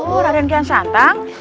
oh raden kian santang